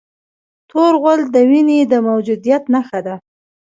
تور غول د وینې د موجودیت نښه ده.